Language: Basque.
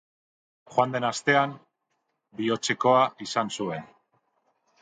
Joan den astean bihotzekoa izan zuen.